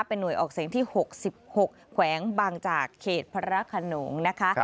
เป็นห่วยออกเสียงที่๖๖แขวงบางจากเขตพระขนงนะคะ